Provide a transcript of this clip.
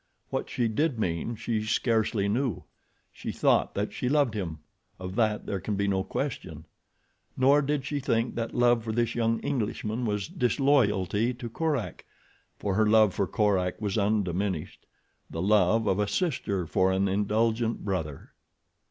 What she did mean she scarcely knew. She thought that she loved him, of that there can be no question; nor did she think that love for this young Englishman was disloyalty to Korak, for her love for Korak was undiminished—the love of a sister for an indulgent brother.